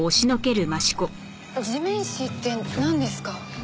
地面師ってなんですか？